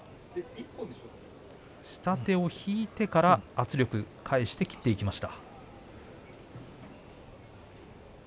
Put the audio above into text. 下手を引いてから圧力返して切っていきました。